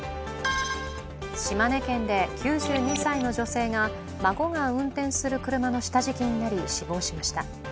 島根県で９２歳の女性が孫が運転する車の下敷きになり死亡しました。